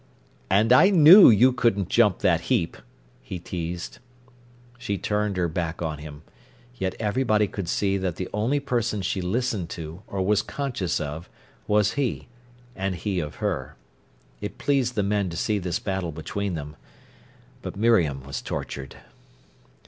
"And I knew you couldn't jump that heap," he teased. She turned her back on him. Yet everybody could see that the only person she listened to, or was conscious of, was he, and he of her. It pleased the men to see this battle between them. But Miriam was tortured.